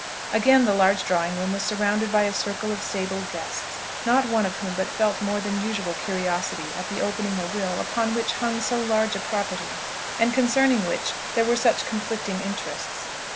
Again the large drawing room was surrounded by a circle of sable guests; not one of whom but felt more than usual curiosity at the opening a will upon which hung so large a property, and concerning which there were such conflicting interests.